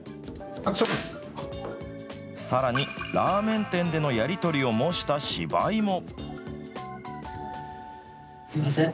さらにラーメン店でのやり取りを模した芝居も。